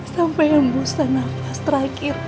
sampai embusan nafas terakhirku ramai